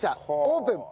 オープン！